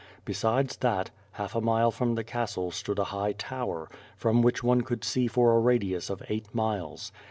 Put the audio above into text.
Besides that, half a mile from the castle stood a high tower, from which one could see for a radius of eight miles.